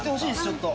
ちょっと。